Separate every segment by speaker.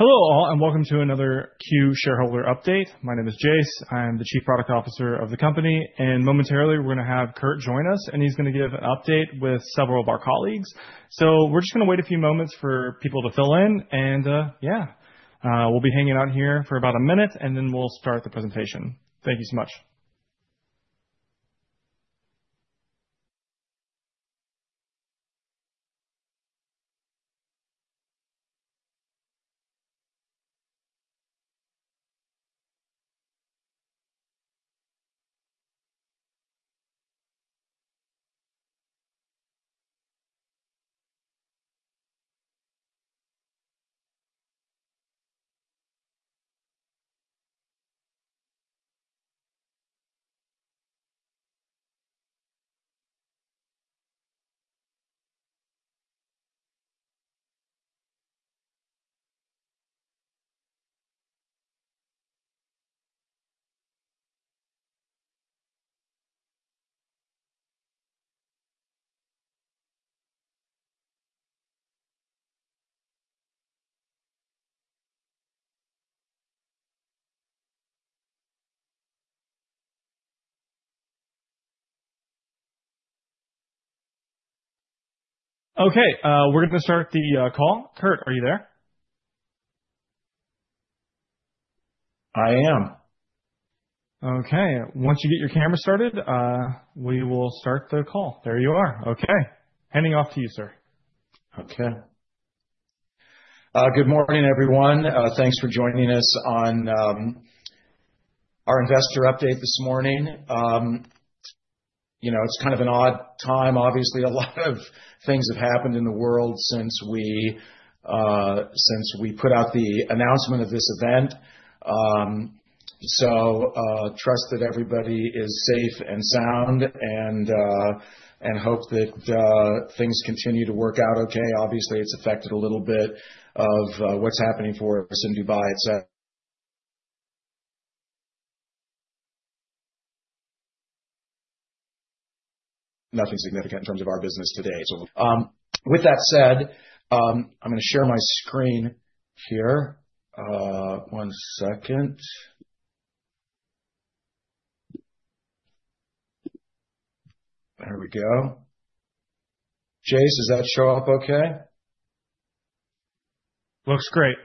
Speaker 1: Hello all, and welcome to another QYOU shareholder update. My name is Jace. I am the Chief Product Officer of the company, and momentarily, we're going to have Curt join us and he's going to give an update with several of our colleagues. We're just going to wait a few moments for people to fill in and, yeah. We'll be hanging out here for about a minute, and then we'll start the presentation. Thank you so much. Okay, we're going to start the call. Curt, are you there?
Speaker 2: I am.
Speaker 1: Okay. Once you get your camera started, we will start the call. There you are. Okay. Handing off to you, sir.
Speaker 2: Okay. Good morning, everyone. Thanks for joining us on our investor update this morning. You know, it's kind of an odd time. Obviously, a lot of things have happened in the world since we put out the announcement of this event. Trust that everybody is safe and sound and hope that things continue to work out okay. Obviously, it's affected a little bit of what's happening for us in Dubai. Nothing significant in terms of our business today. With that said, I'm gonna share my screen here. One second. There we go. Jace, does that show up okay?
Speaker 1: Looks great.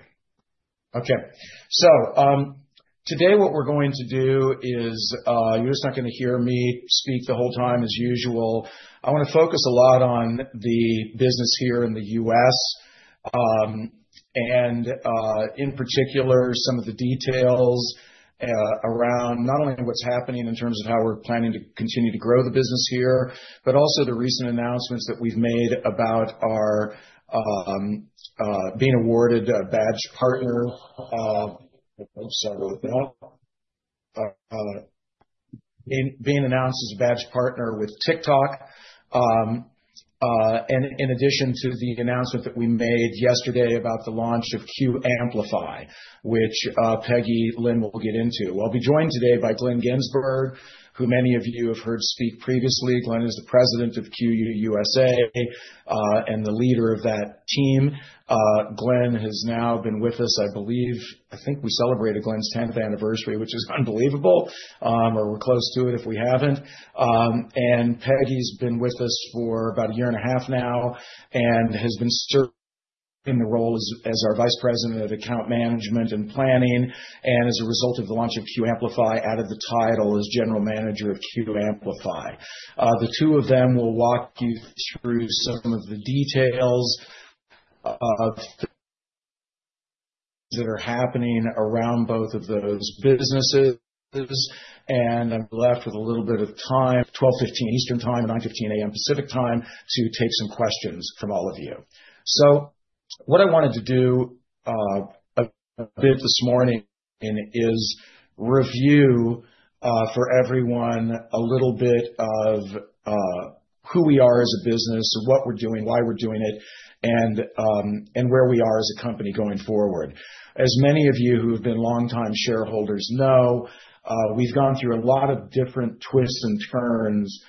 Speaker 2: Today what we're going to do is you're just not going to hear me speak the whole time as usual. I want to focus a lot on the business here in the U.S., and in particular, some of the details around not only what's happening in terms of how we're planning to continue to grow the business here, but also the recent announcements that we've made about our being awarded a badge partner. Oops, sorry about that. Being announced as a badge partner with TikTok. In addition to the announcement that we made yesterday about the launch of QYOU Amplify, which Peggy Lin will get into. I'll be joined today by Glenn Ginsburg, who many of you have heard speak previously. Glenn is the President of QYOU USA and the leader of that team. Glenn has now been with us, I believe I think we celebrated Glenn's 10th anniversary, which is unbelievable, or we're close to it if we haven't. Peggy's been with us for about a year and a half now and has been serving the role as our Vice President of Account Management and Planning, and as a result of the launch of QYOU Amplify, added the title as General Manager of QYOU Amplify. The two of them will walk you through some of the details of That are happening around both of those businesses. I'm left with a little bit of time, 12:15 P.M. Eastern Time, 9:15 A.M. Pacific Time, to take some questions from all of you. What I wanted to do a bit this morning and is review for everyone a little bit of who we are as a business, what we're doing, why we're doing it, and where we are as a company going forward. As many of you who have been longtime shareholders know, we've gone through a lot of different twists and turns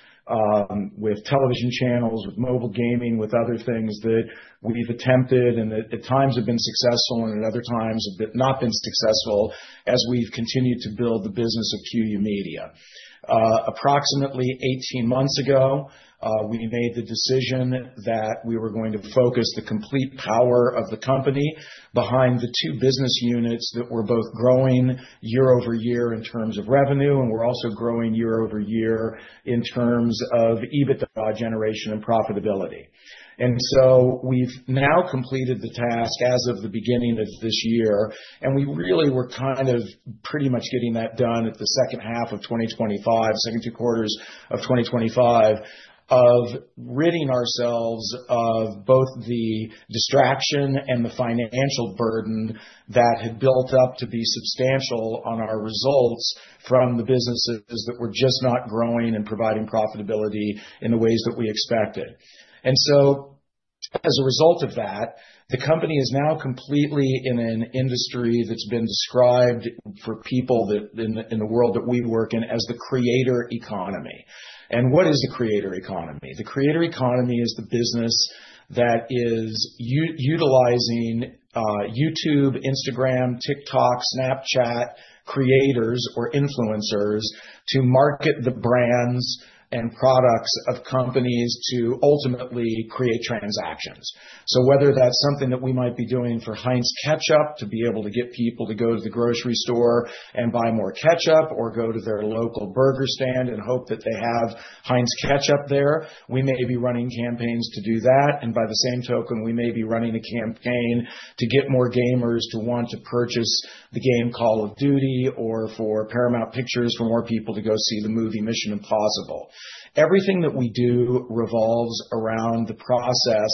Speaker 2: with television channels, with mobile gaming, with other things that we've attempted and at times have been successful and at other times have not been successful as we've continued to build the business of QYOU Media. Approximately 18 months ago, we made the decision that we were going to focus the complete power of the company behind the two business units that were both growing year-over-year in terms of revenue, and were also growing year-over-year in terms of EBITDA generation and profitability. We've now completed the task as of the beginning of this year, and we really were kind of pretty much getting that done at the second half of 2025, second two quarters of 2025, of ridding ourselves of both the distraction and the financial burden that had built up to be substantial on our results from the businesses that were just not growing and providing profitability in the ways that we expected. As a result of that, the company is now completely in an industry that's been described for people that in the world that we work in as the creator economy. What is the creator economy? The creator economy is the business that is utilizing YouTube, Instagram, TikTok, Snapchat creators or influencers to market the brands and products of companies to ultimately create transactions. Whether that's something that we might be doing for Heinz Ketchup to be able to get people to go to the grocery store and buy more ketchup or go to their local burger stand and hope that they have Heinz Ketchup there. We may be running campaigns to do that. By the same token, we may be running a campaign to get more gamers to want to purchase the game Call of Duty or for Paramount Pictures for more people to go see the movie Mission: Impossible. Everything that we do revolves around the process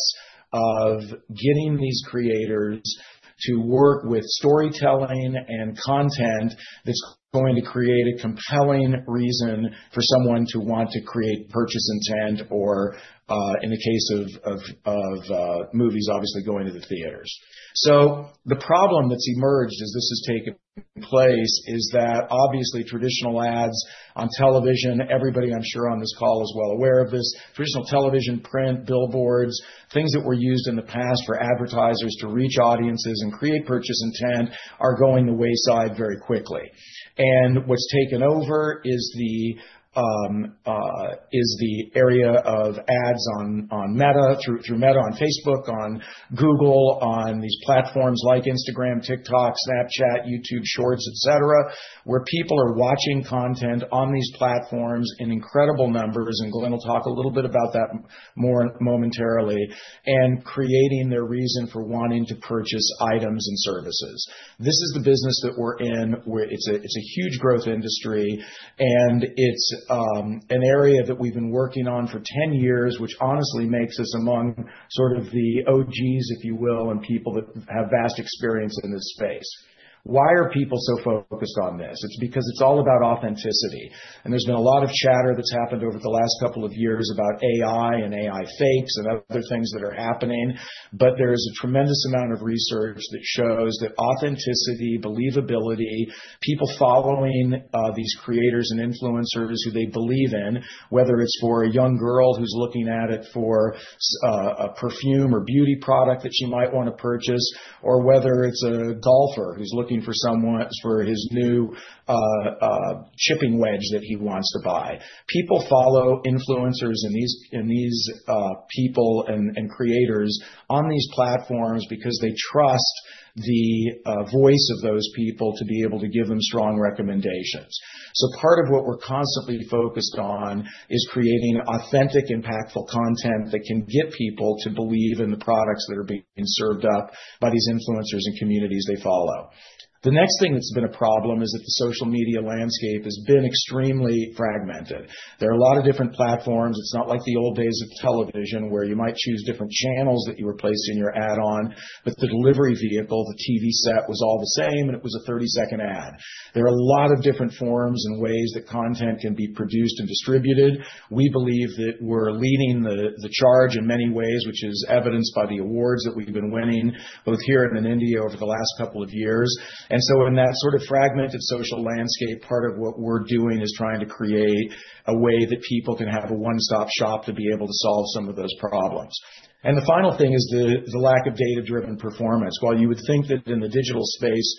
Speaker 2: of getting these creators to work with storytelling and content that's going to create a compelling reason for someone to want to create purchase intent or, in the case of movies, obviously going to the theaters. The problem that's emerged as this has taken place is that obviously traditional ads on television, everybody I'm sure on this call is well aware of this. Traditional television, print, billboards, things that were used in the past for advertisers to reach audiences and create purchase intent are going the wayside very quickly. What's taken over is the area of ads on Meta, through Meta, on Facebook, on Google, on these platforms like Instagram, TikTok, Snapchat, YouTube Shorts, etc., where people are watching content on these platforms in incredible numbers, and Glenn will talk a little bit about that more, momentarily, and creating their reason for wanting to purchase items and services. This is the business that we're in, where it's a, it's a huge growth industry, and it's an area that we've been working on for 10 years, which honestly makes us among sort of the OGs, if you will, and people that have vast experience in this space. Why are people so focused on this? It's because it's all about authenticity. There's been a lot of chatter that's happened over the last couple of years about AI and AI fakes and other things that are happening. There is a tremendous amount of research that shows that authenticity, believability, people following these creators and influencers who they believe in, whether it's for a young girl who's looking at it for a perfume or beauty product that she might want to purchase, or whether it's a golfer who's looking for his new chipping wedge that he wants to buy. People follow influencers and these people and creators on these platforms because they trust the voice of those people to be able to give them strong recommendations. Part of what we're constantly focused on is creating authentic, impactful content that can get people to believe in the products that are being served up by these influencers and communities they follow. The next thing that's been a problem is that the social media landscape has been extremely fragmented. There are a lot of different platforms. It's not like the old days of television where you might choose different channels that you were placing your ad on, but the delivery vehicle, the TV set, was all the same, and it was a 30-second ad. There are a lot of different forms and ways that content can be produced and distributed. We believe that we're leading the charge in many ways, which is evidenced by the awards that we've been winning, both here and in India over the last couple of years. In that sort of fragmented social landscape, part of what we're doing is trying to create a way that people can have a one-stop shop to be able to solve some of those problems. The final thing is the lack of data-driven performance. While you would think that in the digital space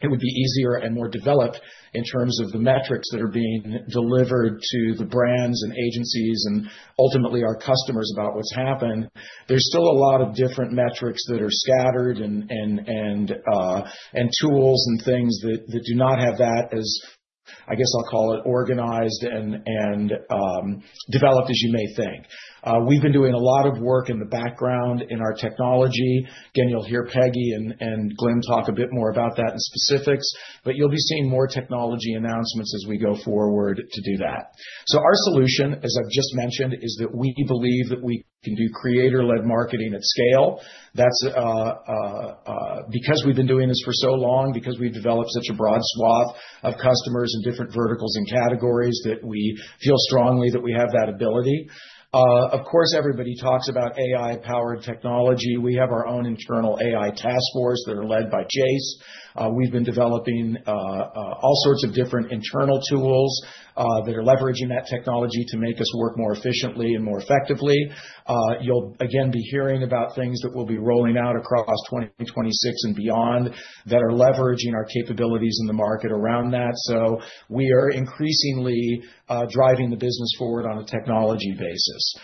Speaker 2: it would be easier and more developed in terms of the metrics that are being delivered to the brands and agencies and ultimately our customers about what's happened, there's still a lot of different metrics that are scattered and tools and things that do not have that as, I guess I'll call it, organized and developed as you may think. We've been doing a lot of work in the background in our technology. You'll hear Peggy and Glenn talk a bit more about that in specifics, you'll be seeing more technology announcements as we go forward to do that. Our solution, as I've just mentioned, is that we believe that we can do creator-led marketing at scale. That's because we've been doing this for so long, because we've developed such a broad swath of customers in different verticals and categories that we feel strongly that we have that ability. Of course, everybody talks about AI-powered technology. We have our own internal AI task force that are led by Jace. We've been developing all sorts of different internal tools that are leveraging that technology to make us work more efficiently and more effectively. You'll again be hearing about things that we'll be rolling out across 2026 and beyond that are leveraging our capabilities in the market around that. We are increasingly driving the business forward on a technology basis.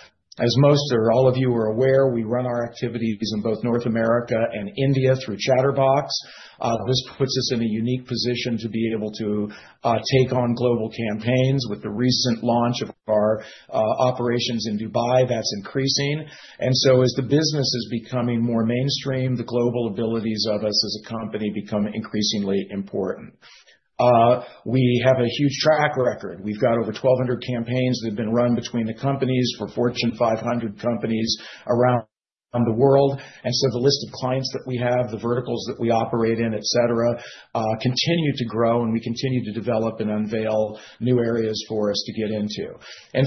Speaker 2: As most or all of you are aware, we run our activities in both North America and India through Chtrbox. This puts us in a unique position to be able to take on global campaigns. With the recent launch of our operations in Dubai, that's increasing. As the business is becoming more mainstream, the global abilities of us as a company become increasingly important. We have a huge track record. We've got over 1,200 campaigns that have been run between the companies for Fortune 500 companies around the world. The list of clients that we have, the verticals that we operate in, et cetera, continue to grow, and we continue to develop and unveil new areas for us to get into.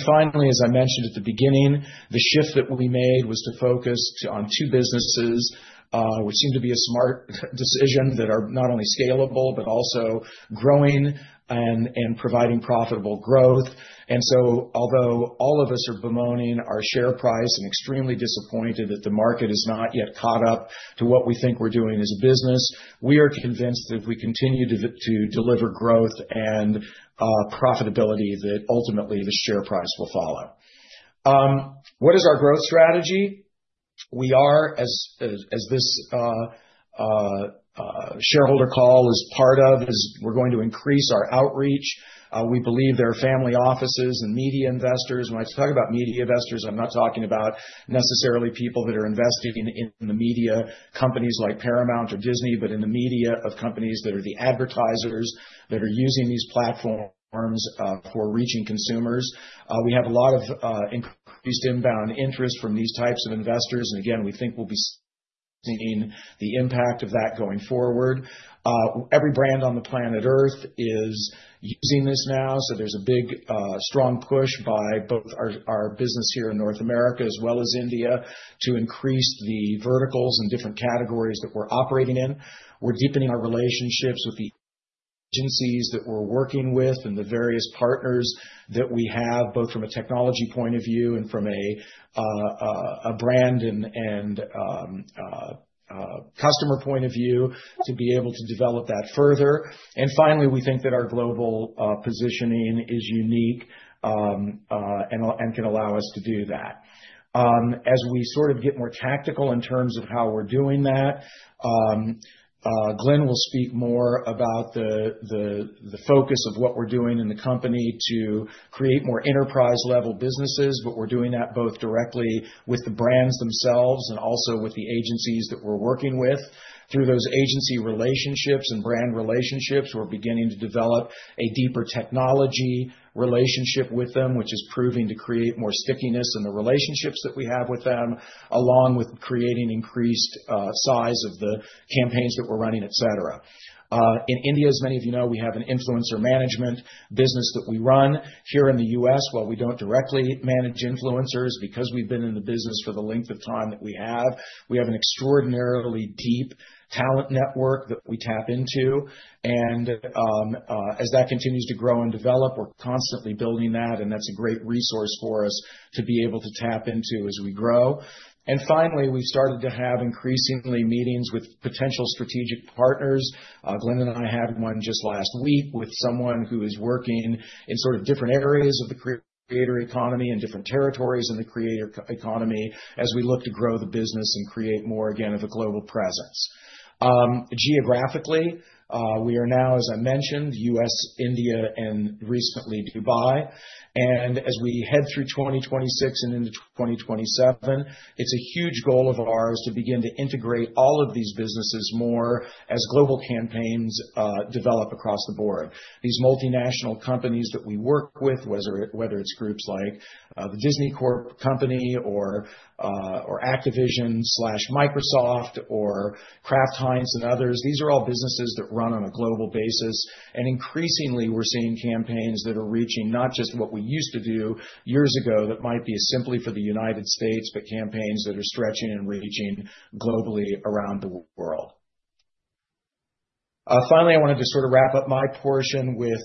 Speaker 2: Finally, as I mentioned at the beginning, the shift that we made was to focus on two businesses, which seemed to be a smart decision that are not only scalable, but also growing and providing profitable growth. Although all of us are bemoaning our share price and extremely disappointed that the market has not yet caught up to what we think we're doing as a business, we are convinced that if we continue to deliver growth and profitability, that ultimately the share price will follow. What is our growth strategy? We are as this shareholder call is part of, we're going to increase our outreach. We believe there are family offices and media investors. When I talk about media investors, I'm not talking about necessarily people that are investing in the media companies like Paramount or Disney, but in the media of companies that are the advertisers that are using these platforms for reaching consumers. We have a lot of increased inbound interest from these types of investors, and again, we think we'll be seeing the impact of that going forward. Every brand on the planet Earth is using this now, there's a big strong push by both our business here in North America as well as India to increase the verticals and different categories that we're operating in. We're deepening our relationships with the agencies that we're working with and the various partners that we have, both from a technology point of view and from a brand and customer point of view to be able to develop that further. Finally, we think that our global positioning is unique and can allow us to do that. As we sort of get more tactical in terms of how we're doing that, Glenn will speak more about the focus of what we're doing in the company to create more enterprise-level businesses, but we're doing that both directly with the brands themselves and also with the agencies that we're working with. Through those agency relationships and brand relationships, we're beginning to develop a deeper technology relationship with them, which is proving to create more stickiness in the relationships that we have with them, along with creating increased size of the campaigns that we're running, et cetera. In India, as many of you know, we have an influencer management business that we run. Here in the U.S., while we don't directly manage influencers, because we've been in the business for the length of time that we have, we have an extraordinarily deep talent network that we tap into. As that continues to grow and develop, we're constantly building that, and that's a great resource for us to be able to tap into as we grow. Finally, we've started to have increasingly meetings with potential strategic partners. Glenn and I had one just last week with someone who is working in sort of different areas of the creator economy and different territories in the creator economy as we look to grow the business and create more, again, of a global presence. Geographically, we are now, as I mentioned, U.S., India, and recently Dubai. As we head through 2026 and into 2027, it's a huge goal of ours to begin to integrate all of these businesses more as global campaigns develop across the board. These multinational companies that we work with, whether it's groups like the Disney Corp company or Activision/Microsoft or Kraft Heinz and others, these are all businesses that run on a global basis. Increasingly, we're seeing campaigns that are reaching not just what we used to do years ago that might be simply for the United States, but campaigns that are stretching and reaching globally around the world. Finally, I wanted to sort of wrap up my portion with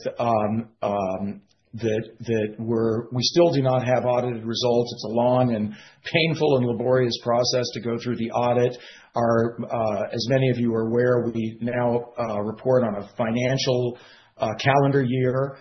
Speaker 2: that we still do not have audited results. It's a long and painful and laborious process to go through the audit. Our, as many of you are aware, we now report on a financial calendar year.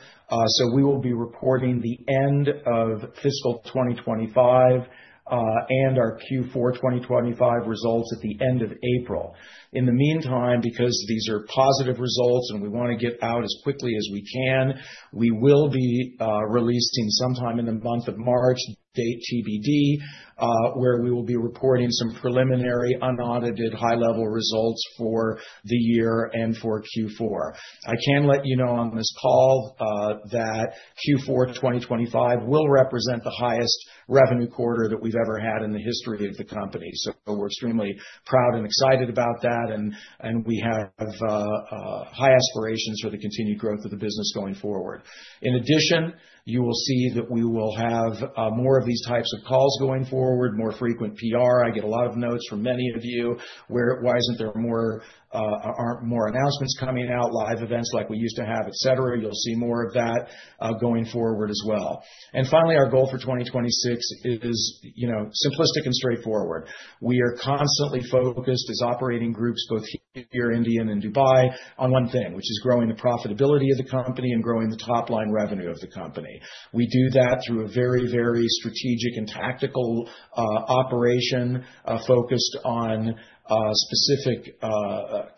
Speaker 2: We will be reporting the end of fiscal 2025 and our Q4 2025 results at the end of April. In the meantime, because these are positive results and we wanna get out as quickly as we can, we will be releasing sometime in the month of March, date TBD, where we will be reporting some preliminary unaudited high-level results for the year and for Q4. I can let you know on this call that Q4 2025 will represent the highest revenue quarter that we've ever had in the history of the company. We're extremely proud and excited about that, and we have high aspirations for the continued growth of the business going forward. In addition, you will see that we will have more of these types of calls going forward, more frequent PR. I get a lot of notes from many of you where why isn't there more, aren't more announcements coming out, live events like we used to have, et cetera. You'll see more of that going forward as well. Finally, our goal for 2026 is, you know, simplistic and straightforward. We are constantly focused as operating groups, both here, India, and in Dubai on one thing, which is growing the profitability of the company and growing the top-line revenue of the company. We do that through a very strategic and tactical operation focused on specific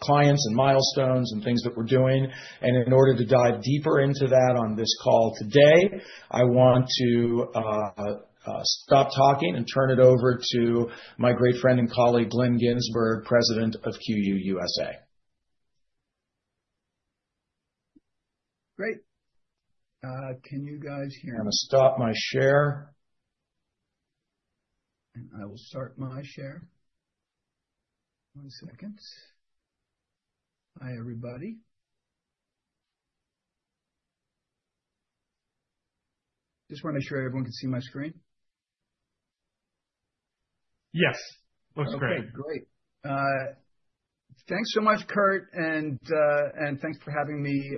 Speaker 2: clients and milestones and things that we're doing. In order to dive deeper into that on this call today, I want to stop talking and turn it over to my great friend and colleague, Glenn Ginsburg, President of QYOU USA.
Speaker 3: Great. Can you guys hear me?
Speaker 2: I'm gonna stop my share.
Speaker 3: I will start my share. One second. Hi, everybody. Just wanna make sure everyone can see my screen.
Speaker 2: Yes. Looks great.
Speaker 3: Okay, great. Thanks so much, Curt. Thanks for having me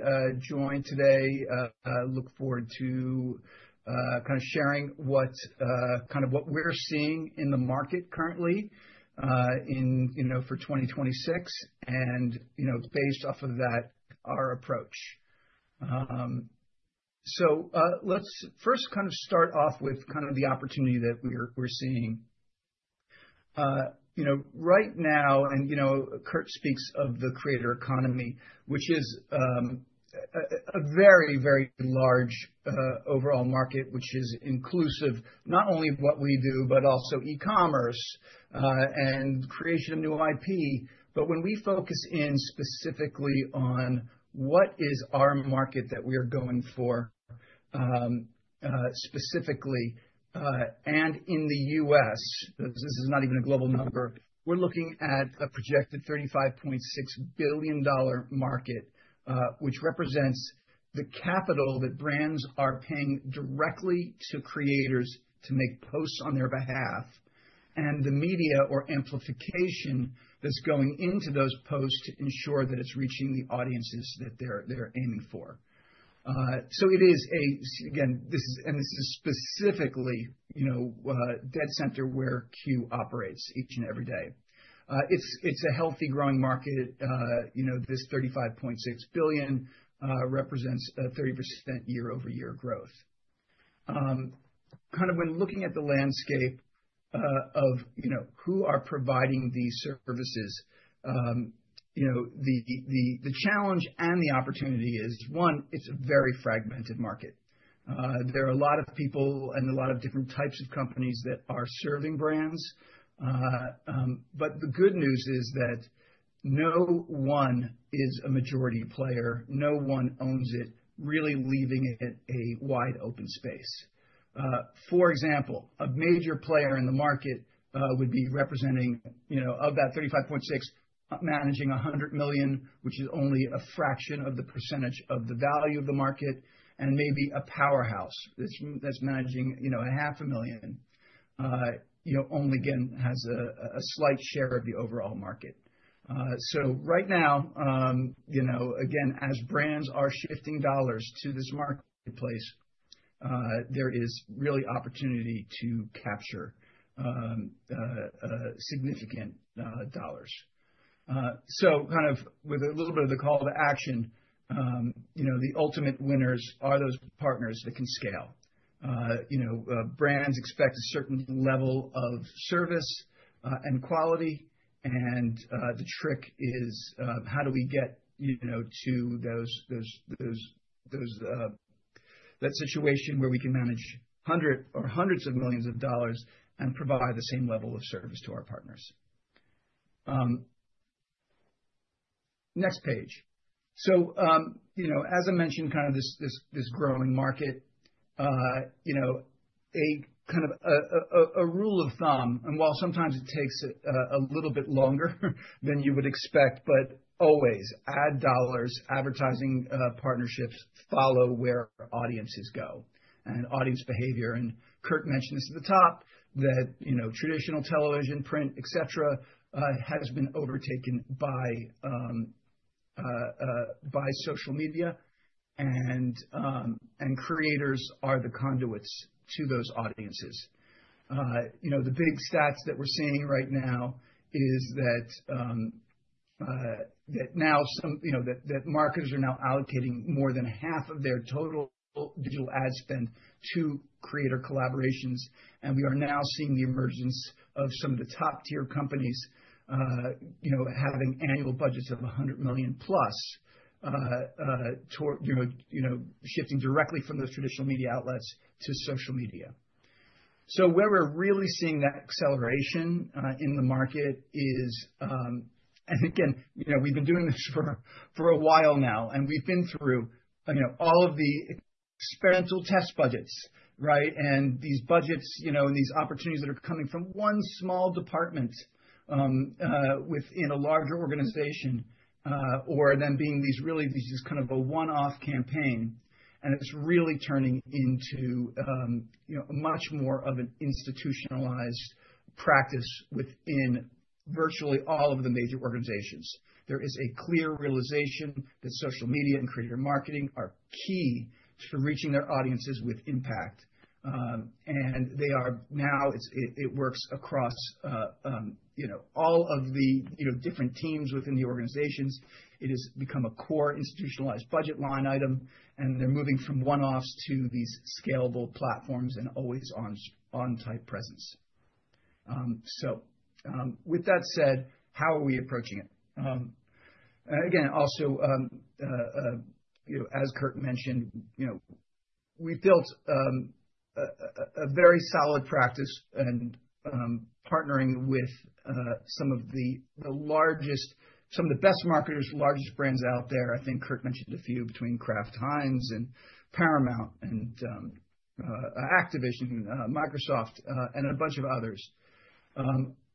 Speaker 3: join today. I look forward to kind of sharing what kind of what we're seeing in the market currently, in, you know, for 2026, and, you know, based off of that, our approach. Let's first kind of start off with kind of the opportunity that we're seeing. You know, right now, and, you know, Curt speaks of the creator economy, which is a very, very large overall market, which is inclusive, not only of what we do, but also e-commerce and creation of new IP. When we focus in specifically on what is our market that we are going for, specifically, and in the U.S., 'cause this is not even a global number, we're looking at a projected $35.6 billion market, which represents the capital that brands are paying directly to creators to make posts on their behalf, and the media or amplification that's going into those posts to ensure that it's reaching the audiences that they're aiming for. It is and this is specifically, you know, dead center where QYOU operates each and every day. It's a healthy growing market. You know, this 35.6 billion represents 30% year-over-year growth. Kind of when looking at the landscape, you know, of, who are providing these services, you know, the, the challenge and the opportunity is, one, it's a very fragmented market. There are a lot of people and a lot of different types of companies that are serving brands. The good news is that no one is a majority player. No one owns it, really leaving it a wide-open space. For example, a major player in the market would be representing, you know, of that 35.6 billion, managing 100 million, which is only a fraction of the percentage of the value of the market, and maybe a powerhouse that's managing, you know, half a million, you know, only, again, has a slight share of the overall market. Right now, you know, again, as brands are shifting dollars to this marketplace, there is really opportunity to capture significant dollars. Kind of with a little bit of the call to action, you know, the ultimate winners are those partners that can scale. You know, brands expect a certain level of service and quality, and the trick is, how do we get, you know, to those that situation where we can manage 100 million or hundreds of millions of dollars and provide the same level of service to our partners. Next page. You know, as I mentioned, kind of this growing market, you know, a kind of a rule of thumb, and while sometimes it takes a little bit longer than you would expect, but always ad dollars, advertising, partnerships follow where audiences go and audience behavior. Curt mentioned this at the top, that, you know, traditional television, print, et cetera, has been overtaken by social media and creators are the conduits to those audiences. You know, the big stats that we're seeing right now is that marketers are now allocating more than half of their total digital ad spend to creator collaborations. We are now seeing the emergence of some of the top-tier companies, you know, having annual budgets of 100 million+ toward, you know, you know, shifting directly from those traditional media outlets to social media. Where we're really seeing that acceleration in the market is, and again, you know, we've been doing this for a while now, and we've been through, you know, all of the experimental test budgets, right? These budgets, you know, and these opportunities that are coming from one small department within a larger organization, or them being these really, this is kind of a one-off campaign, and it's really turning into, you know, much more of an institutionalized practice within virtually all of the major organizations. There is a clear realization that social media and creator marketing are key to reaching their audiences with impact. They are now, it works across, you know, all of the, you know, different teams within the organizations. It has become a core institutionalized budget line item, and they're moving from one-offs to these scalable platforms and always on type presence. With that said, how are we approaching it? Again, also, you know, as Curt mentioned, you know, we've built a very solid practice and partnering with some of the best marketers, largest brands out there. I think Curt mentioned a few between Kraft Heinz and Paramount Global and Activision, Microsoft and a bunch of others.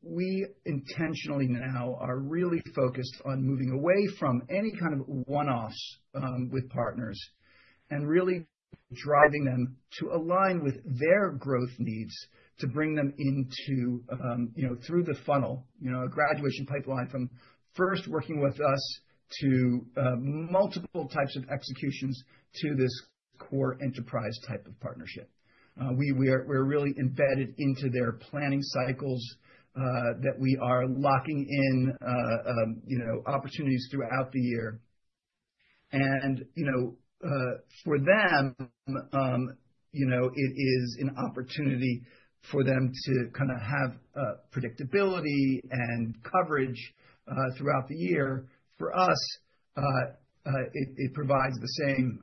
Speaker 3: We intentionally now are really focused on moving away from any kind of one-offs with partners and really driving them to align with their growth needs to bring them into, you know, through the funnel, you know, a graduation pipeline from first working with us to multiple types of executions to this core enterprise type of partnership. We're really embedded into their planning cycles that we are locking in, you know, opportunities throughout the year. You know, for them, you know, it is an opportunity for them to kind of have predictability and coverage throughout the year. For us, it provides the same,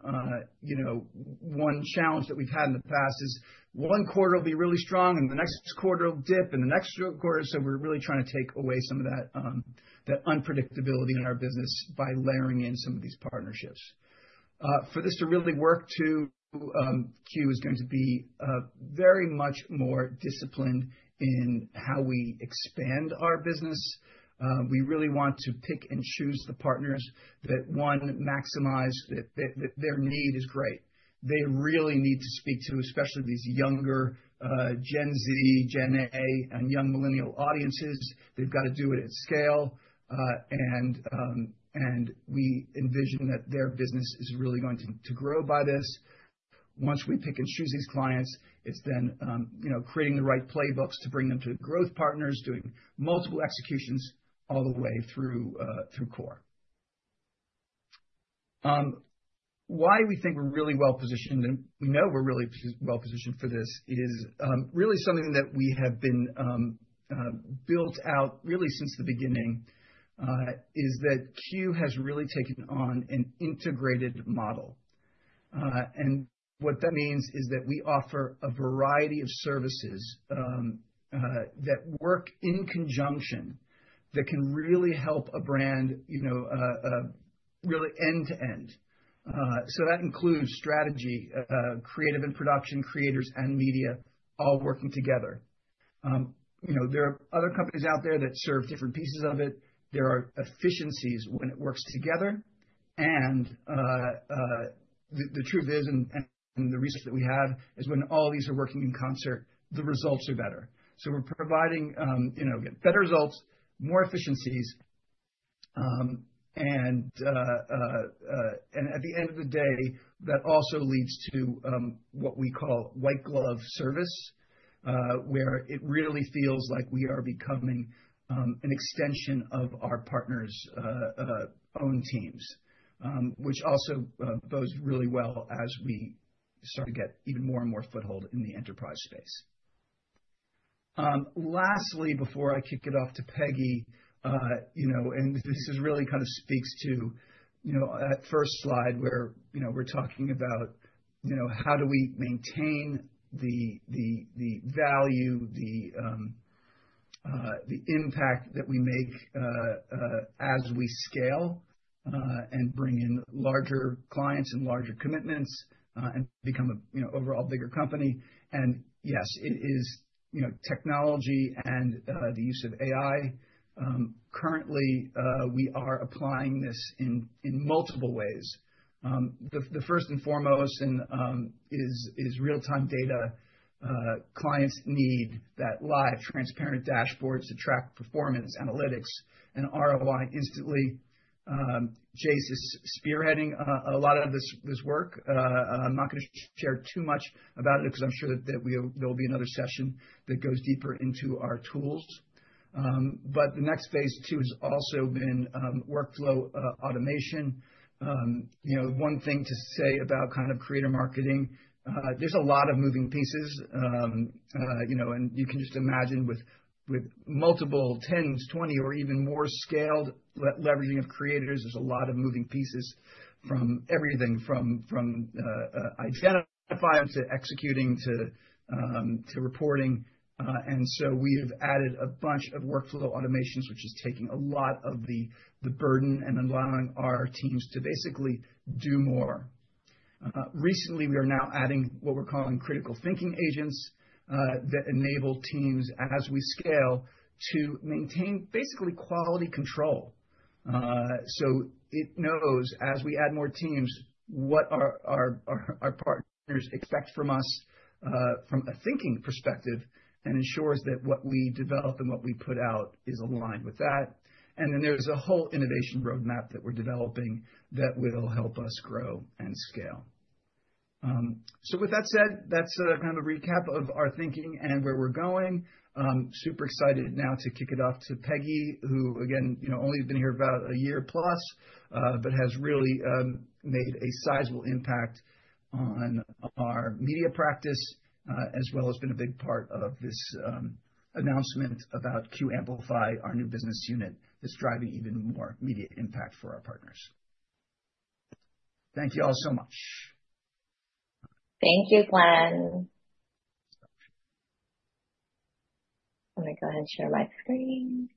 Speaker 3: you know, one challenge that we've had in the past is one quarter will be really strong, and the next quarter will dip, and the next quarter. We're really trying to take away some of that unpredictability in our business by layering in some of these partnerships. For this to really work too, QYOU is going to be very much more disciplined in how we expand our business. We really want to pick and choose the partners that, one, maximize their need is great. They really need to speak to, especially these younger, Gen Z, Gen Alpha, and young millennial audiences. They've got to do it at scale. We envision that their business is really going to grow by this. Once we pick and choose these clients, it's then, you know, creating the right playbooks to bring them to growth partners, doing multiple executions all the way through core. Why we think we're really well-positioned, and we know we're really well-positioned for this is, really something that we have been built out really since the beginning, is that QYOU has really taken on an integrated model. What that means is that we offer a variety of services that work in conjunction that can really help a brand, you know, really end-to-end. That includes strategy, creative and production, creators and media all working together. You know, there are other companies out there that serve different pieces of it. There are efficiencies when it works together. The truth is, the research that we have is when all of these are working in concert, the results are better. We're providing, you know, better results, more efficiencies, and at the end of the day, that also leads to what we call white glove service, where it really feels like we are becoming an extension of our partners' own teams, which also bodes really well as we start to get even more and more foothold in the enterprise space. Lastly, before I kick it off to Peggy, you know, this is really kind of speaks to, you know, that first slide where, you know, we're talking about, you know, how do we maintain the value, the impact that we make as we scale and bring in larger clients and larger commitments and become a, you know, overall bigger company. Yes, it is, you know, technology and the use of AI. Currently, we are applying this in multiple ways. The first and foremost is real-time data. Clients need that live, transparent dashboards to track performance analytics and ROI instantly. Jace is spearheading a lot of this work. I'm not gonna share too much about it because I'm sure there will be another session that goes deeper into our tools. The next phase, too, has also been workflow automation. You know, one thing to say about kind of creator marketing, there's a lot of moving pieces. You know, you can just imagine with multiple 10s, 20 or even more scaled leveraging of creators, there's a lot of moving pieces from everything from identifying to executing to reporting. We have added a bunch of workflow automations, which is taking a lot of the burden and allowing our teams to basically do more. Recently, we are now adding what we're calling critical thinking agents that enable teams as we scale to maintain basically quality control. It knows as we add more teams, what our partners expect from us from a thinking perspective and ensures that what we develop and what we put out is aligned with that. There's a whole innovation roadmap that we're developing that will help us grow and scale. With that said, that's kind of a recap of our thinking and where we're going. Super excited now to kick it off to Peggy, who again, you know, only been here about a year plus, but has really made a sizable impact on our media practice, as well as been a big part of this announcement about QYOU Amplify, our new business unit that's driving even more immediate impact for our partners. Thank you all so much.
Speaker 4: Thank you, Glenn. I'm gonna go ahead and share my screen.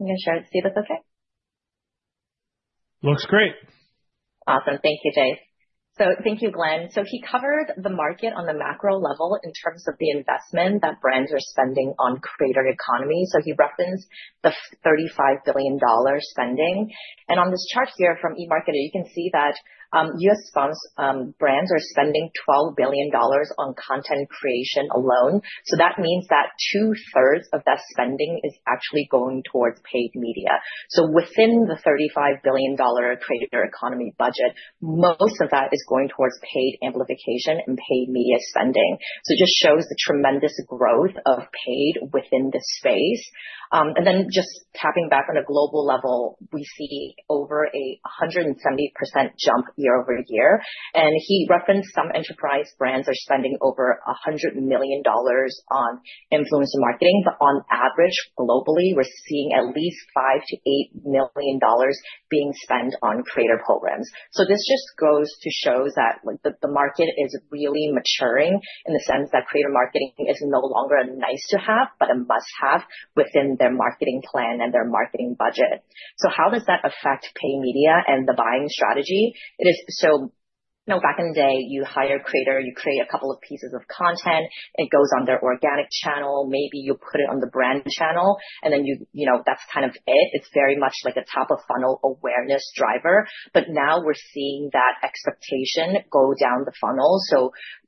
Speaker 4: I'm gonna share it. See if it's okay.
Speaker 1: Looks great.
Speaker 4: Awesome. Thank you, Jace. Thank you, Glenn. He covered the market on the macro level in terms of the investment that brands are spending on creator economy. He referenced the 35 billion dollar spending. On this chart here from eMarketer, you can see that U.S. brands are spending 12 billion dollars on content creation alone. That means that 2/3 of that spending is actually going towards paid media. Within the 35 billion dollar creator economy budget, most of that is going towards paid amplification and paid media spending. It just shows the tremendous growth of paid within this space. Just tapping back on a global level, we see over a 170% jump year-over-year, and he referenced some enterprise brands are spending over 100 million dollars on influencer marketing. On average, globally, we're seeing at least 5 million-8 million dollars being spent on creator programs. This just goes to show that the market is really maturing in the sense that creator marketing is no longer a nice to have, but a must-have within their marketing plan and their marketing budget. How does that affect paid media and the buying strategy? You know, back in the day, you hire a creator, you create a couple of pieces of content, it goes on their organic channel, maybe you put it on the brand channel, and then you know, that's kind of it. It's very much like a top-of-funnel awareness driver. Now we're seeing that expectation go down the funnel.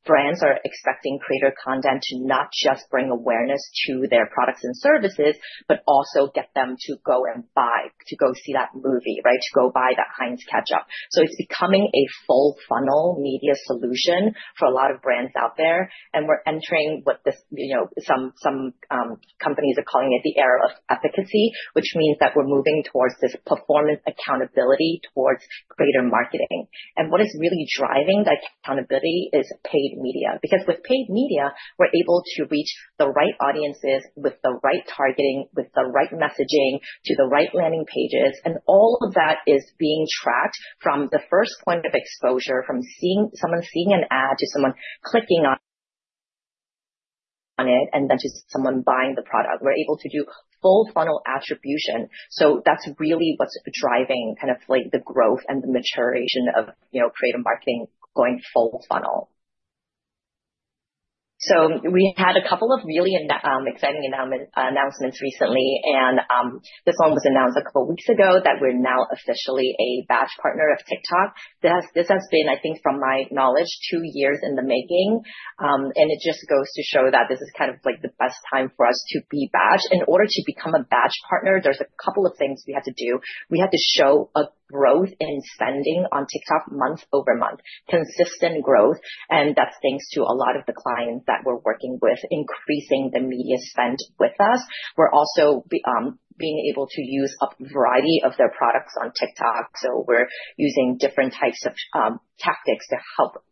Speaker 4: Brands are expecting creator content to not just bring awareness to their products and services, but also get them to go and buy, to go see that movie, right. To go buy that Heinz Ketchup. It's becoming a full funnel media solution for a lot of brands out there. We're entering what this, you know, some companies are calling it the era of efficacy, which means that we're moving towards this performance accountability towards creator marketing. What is really driving that accountability is paid media, because with paid media, we're able to reach the right audiences with the right targeting, with the right messaging to the right landing pages. All of that is being tracked from the first point of exposure, from someone seeing an ad to someone clicking on it and then to someone buying the product. We're able to do full funnel attribution. That's really what's driving kind of like the growth and the maturation of, you know, creator marketing going full funnel. We had a couple of really exciting announcements recently. This one was announced a couple weeks ago that we're now officially a badge partner of TikTok. This has been, I think from my knowledge, two years in the making. It just goes to show that this is kind of like the best time for us to be badged. In order to become a badge partner, there's a couple of things we had to do. We had to show a growth in spending on TikTok month-over-month, consistent growth, and that's thanks to a lot of the clients that we're working with, increasing the media spend with us. We're also being able to use a variety of their products on TikTok. We're using different types of tactics to help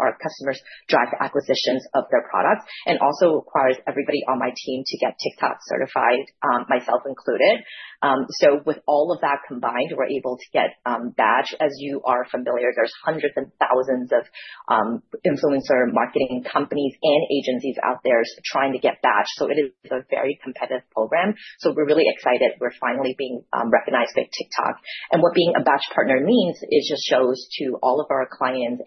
Speaker 4: our customers drive acquisitions of their products and also requires everybody on my team to get TikTok certified, myself included. With all of that combined, we're able to get badged. As you are familiar, there's hundreds of thousands of influencer marketing companies and agencies out there trying to get badged. It is a very competitive program. We're really excited we're finally being recognized by TikTok. What being a badge partner means is just shows to all of our clients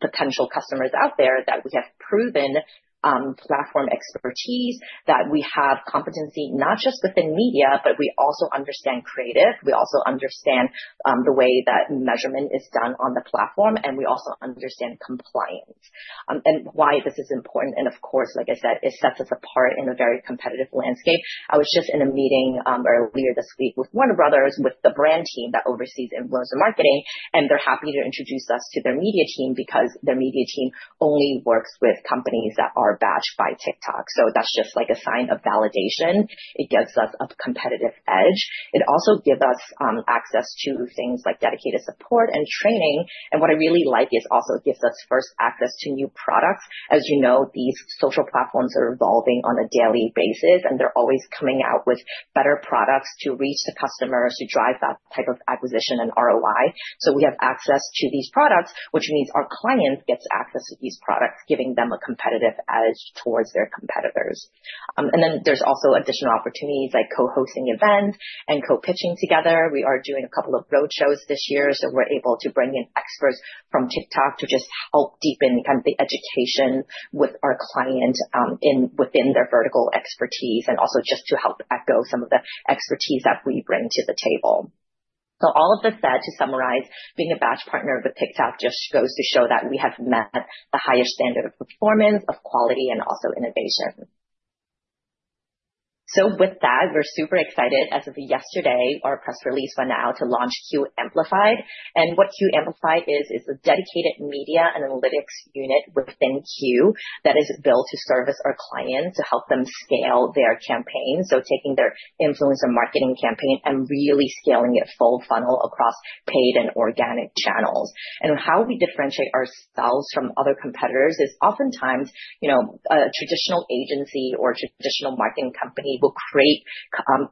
Speaker 4: and potential customers out there that we have proven platform expertise, that we have competency not just within media, but we also understand creative. We also understand the way that measurement is done on the platform, and we also understand compliance, and why this is important. Of course, like I said, it sets us apart in a very competitive landscape. I was just in a meeting earlier this week with Warner Brothers, with the brand team that oversees influencer marketing, and they're happy to introduce us to their media team because their media team only works with companies that are badged by TikTok. That's just like a sign of validation. It gives us a competitive edge. It also gives us access to things like dedicated support and training. What I really like is also it gives us first access to new products. As you know, these social platforms are evolving on a daily basis, and they're always coming out with better products to reach the customers to drive that type of acquisition and ROI. We have access to these products, which means our clients gets access to these products, giving them a competitive edge towards their competitors. There's also additional opportunities like co-hosting events and co-pitching together. We are doing a couple of roadshows this year, we're able to bring in experts from TikTok to just help deepen kind of the education with our client within their vertical expertise and also just to help echo some of the expertise that we bring to the table. All of this said, to summarize, being a badge partner with TikTok just goes to show that we have met the highest standard of performance, of quality, and also innovation. With that, we're super excited as of yesterday, our press release went out to launch QYOU Amplify. What QYOU Amplify is a dedicated media analytics unit within QYOU that is built to service our clients to help them scale their campaign. Taking their influencer marketing campaign and really scaling it full funnel across paid and organic channels. How we differentiate ourselves from other competitors is oftentimes, you know, a traditional agency or traditional marketing company will create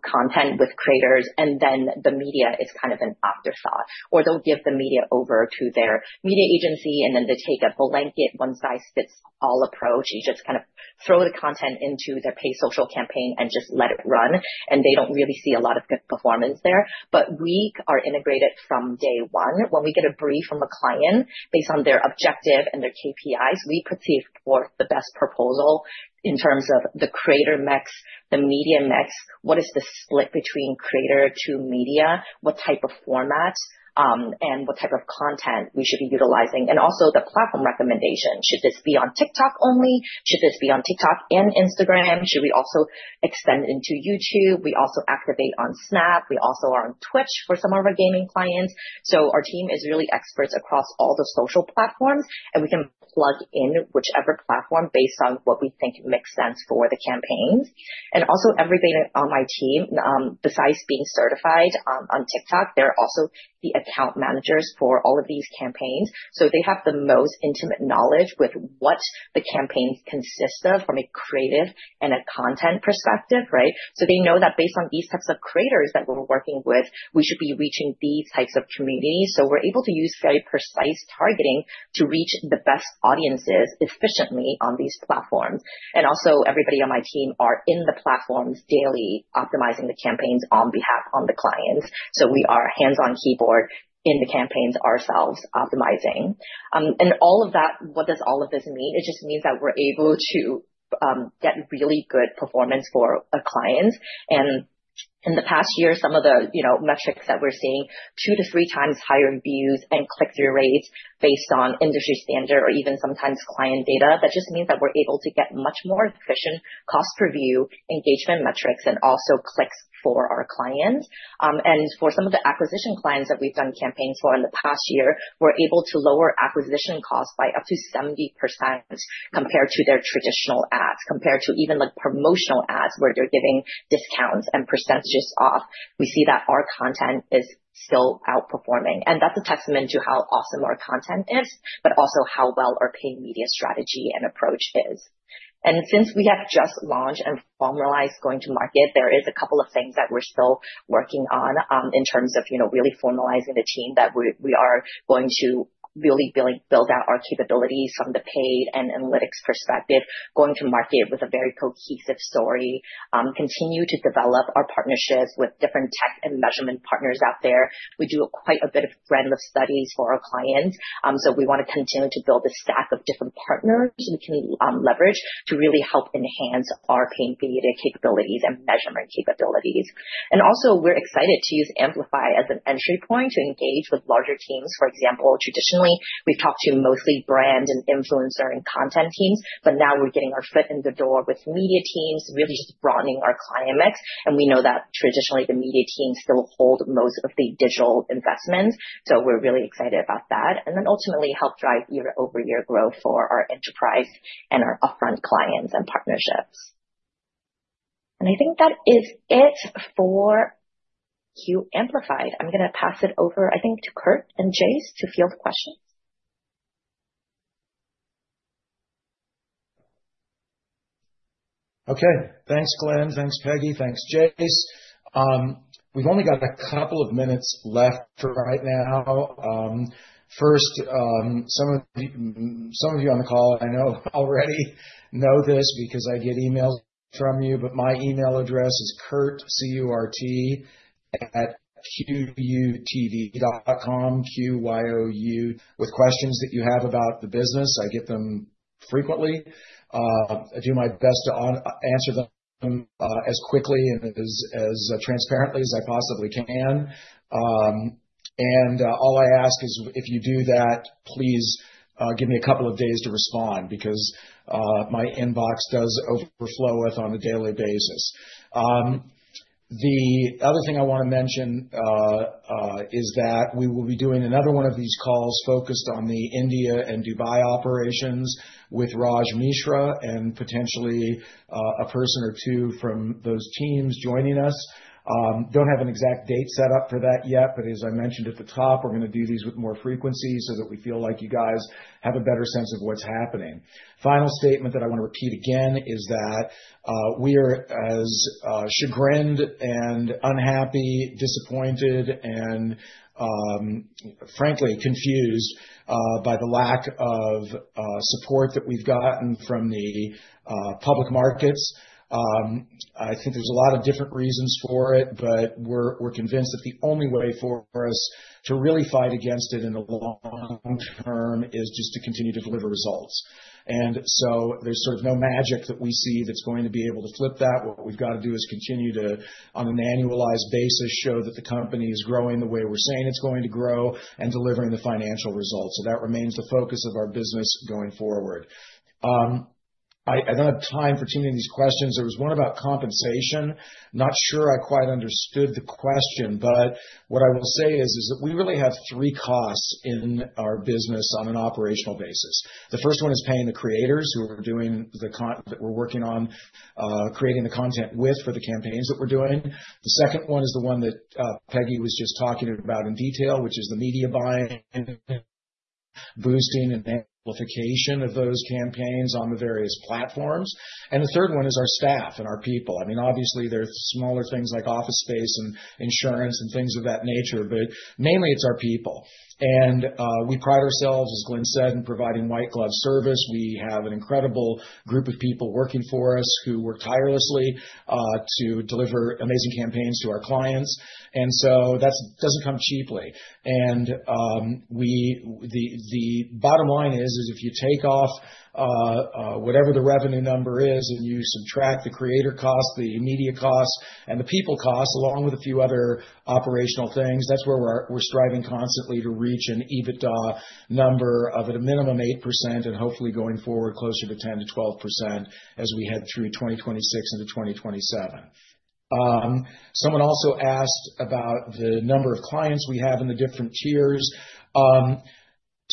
Speaker 4: content with creators, and then the media is kind of an afterthought. They'll give the media over to their media agency, and then they take a blanket one-size-fits-all approach. You just kind of throw the content into their paid social campaign and just let it run, and they don't really see a lot of good performance there. We are integrated from day one. When we get a brief from a client based on their objective and their KPIs, we perceive for the best proposal in terms of the creator mix, the media mix, what is the split between creator to media, what type of formats, and what type of content we should be utilizing, and also the platform recommendation. Should this be on TikTok only? Should this be on TikTok and Instagram? Should we also extend into YouTube? We also activate on Snap. We also are on Twitch for some of our gaming clients. Our team is really experts across all the social platforms, and we can plug in whichever platform based on what we think makes sense for the campaigns. Also, everybody on my team, besides being certified on TikTok, they're also the account managers for all of these campaigns. They have the most intimate knowledge with what the campaigns consist of from a creative and a content perspective, right? They know that based on these types of creators that we're working with, we should be reaching these types of communities. We're able to use very precise targeting to reach the best audiences efficiently on these platforms. Also, everybody on my team are in the platforms daily, optimizing the campaigns on behalf of the clients. We are hands-on-keyboard in the campaigns ourselves, optimizing. What does all of this mean? It just means that we're able to get really good performance for our clients. In the past year, some of the, you know, metrics that we're seeing 2x-3x higher views and click-through rates based on industry standard or even sometimes client data. That just means that we're able to get much more efficient cost per view engagement metrics and also clicks for our clients. For some of the acquisition clients that we've done campaigns for in the past year, we're able to lower acquisition costs by up to 70% compared to their traditional ads, compared to even like promotional ads, where they're giving discounts and percentages off. We see that our content is still outperforming, that's a testament to how awesome our content is, but also how well our paid media strategy and approach is. Since we have just launched and formalized going to market, there is a couple of things that we're still working on, in terms of, you know, really formalizing the team that we are going to really build out our capabilities from the paid and analytics perspective, going to market with a very cohesive story, continue to develop our partnerships with different tech and measurement partners out there. We do quite a bit of brand lift studies for our clients. So, we wanna continue to build a stack of different partners we can leverage to really help enhance our paid media capabilities and measurement capabilities. Also, we're excited to use Amplify as an entry point to engage with larger teams. For example, traditionally, we've talked to mostly brand and influencer and content teams, but now we're getting our foot in the door with media teams, really just broadening our client mix. We know that traditionally, the media teams still hold most of the digital investments. We're really excited about that. Ultimately help drive year-over-year growth for our enterprise and our upfront clients and partnerships. I think that is it for QYOU Amplify. I'm gonna pass it over, I think, to Curt and Jace to field questions.
Speaker 2: Okay. Thanks, Glenn. Thanks, Peggy. Thanks, Jace. We've only got a couple of minutes left for right now. First, some of you on the call I know already know this because I get emails from you, but my email address is Curt, C-U-R-T, @qyoutv.com, Q-Y-O-U, with questions that you have about the business. I get them frequently. I do my best to answer them, as quickly and as transparently as I possibly can. All I ask is if you do that, please, give me a couple of days to respond because my inbox does overfloweth on a daily basis. The other thing I wanna mention is that we will be doing another one of these calls focused on the India and Dubai operations with Raj Mishra and potentially a person or two from those teams joining us. Don't have an exact date set up for that yet, but as I mentioned at the top, we're gonna do these with more frequency so that we feel like you guys have a better sense of what's happening. Final statement that I wanna repeat again is that we are as chagrined and unhappy, disappointed and frankly, confused by the lack of support that we've gotten from the public markets. I think there's a lot of different reasons for it, but we're convinced that the only way for us to really fight against it in the long term is just to continue to deliver results. There's sort of no magic that we see that's going to be able to flip that. What we've got to do is continue to, on an annualized basis, show that the company is growing the way we're saying it's going to grow and delivering the financial results. That remains the focus of our business going forward. I don't have time for too many of these questions. There was one about compensation. Not sure I quite understood the question, but what I will say is that we really have three costs in our business on an operational basis. The first one is paying the creators who are doing that we're working on, creating the content with for the campaigns that we're doing. The second one is the one that Peggy was just talking about in detail, which is the media buying, boosting, and amplification of those campaigns on the various platforms. The third one is our staff and our people. I mean, obviously, there's smaller things like office space and insurance and things of that nature, but mainly it's our people. We pride ourselves, as Glenn said, in providing white glove service. We have an incredible group of people working for us who work tirelessly to deliver amazing campaigns to our clients. That doesn't come cheaply. The bottom line is, if you take off whatever the revenue number is and you subtract the creator cost, the media cost, and the people cost, along with a few other operational things, that's where we're striving constantly to reach an EBITDA number of at a minimum 8% and hopefully going forward closer to 10%-12% as we head through 2026 into 2027. Someone also asked about the number of clients we have in the different tiers.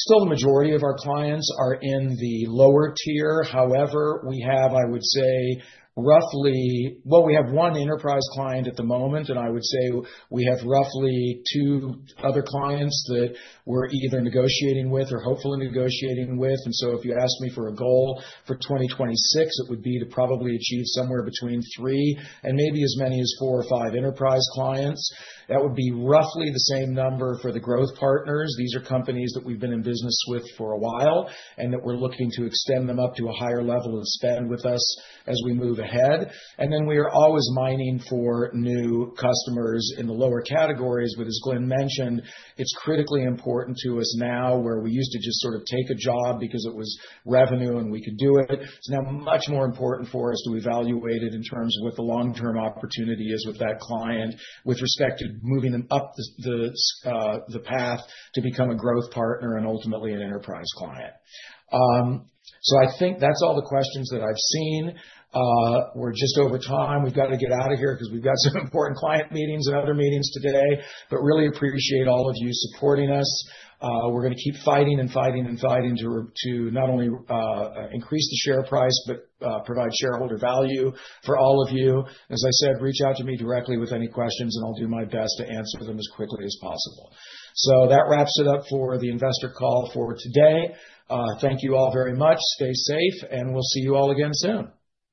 Speaker 2: Still the majority of our clients are in the lower tier. However, we have, I would say, roughly one enterprise client at the moment, I would say we have roughly two other clients that we're either negotiating with or hopefully negotiating with. If you ask me for a goal for 2026, it would be to probably achieve somewhere between three and maybe as many as four or five enterprise clients. That would be roughly the same number for the growth partners. These are companies that we've been in business with for a while, and that we're looking to extend them up to a higher level of spend with us as we move ahead. Then we are always mining for new customers in the lower categories. As Glenn mentioned, it's critically important to us now where we used to just sort of take a job because it was revenue and we could do it. It's now much more important for us to evaluate it in terms of what the long-term opportunity is with that client with respect to moving them up the path to become a growth partner and ultimately an enterprise client. I think that's all the questions that I've seen. We're just over time. We've got to get out of here because we've got some important client meetings and other meetings today, but really appreciate all of you supporting us. We're gonna keep fighting and fighting and fighting to not only increase the share price, but provide shareholder value for all of you. As I said, reach out to me directly with any questions, and I'll do my best to answer them as quickly as possible. That wraps it up for the investor call for today. Thank you all very much. Stay safe, and we'll see you all again soon.